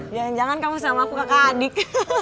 jangan jangan kamu sama aku kakak adik